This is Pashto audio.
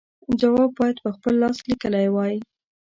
جواب باید په خپل لاس لیکلی وای.